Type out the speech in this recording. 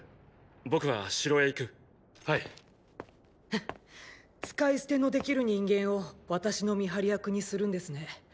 ハッ使い捨てのできる人間を私の見張り役にするんですね。